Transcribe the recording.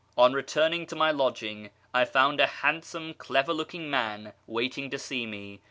On returning to my lodging, I found a handsome clever looking man waiting to see me.